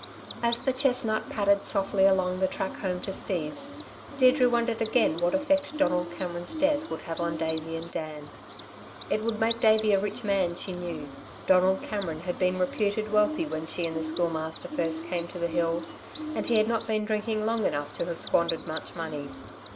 As the chestnut padded softly along the track home to Steve's, Deirdre wondered again what effect Donald Cameron's death would have on Davey and Dan. It would make Davey a rich man, she knew. Donald Cameron had been reputed wealthy when she and the Schoolmaster first came to the hills, and he had not been drinking long enough to have squandered much money.